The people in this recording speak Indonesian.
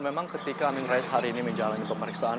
memang ketika amin rais hari ini menjalani pemeriksaan